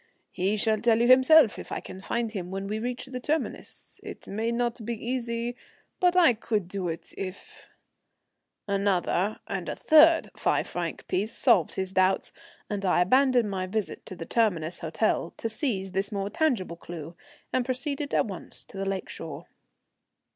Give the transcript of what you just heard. "He shall tell you himself if I can find him when we reach the terminus. It may not be easy, but I could do it if " Another and a third five franc piece solved his doubts, and I abandoned my visit to the terminus hotel to seize this more tangible clue, and proceeded at once to the lake shore.